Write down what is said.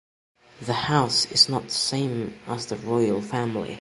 The House is not the same as the Royal Family.